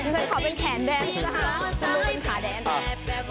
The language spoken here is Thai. ฉันขอเป็นแขนแดนส์นะฮะเป็นขาแดนส์